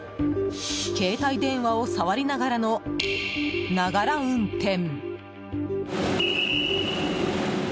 携帯電話を触りながらのながら運転。